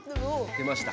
出ました。